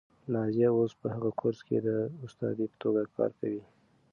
نازیه اوس په هغه کورس کې د استادې په توګه کار کوي.